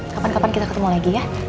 kapan kapan kita ketemu lagi ya